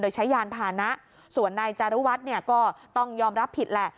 โดยใช้ยานพานะส่วนนายจารุวัฒน์เนี่ยก็ต้องยอมรับผิดแหละ